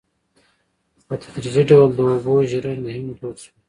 په تدریجي ډول د اوبو ژرندې هم دود شوې.